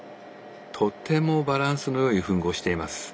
とてもバランスのよい吻合をしています。